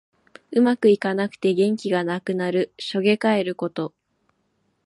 うまくいかなくて元気がなくなる。しょげかえること。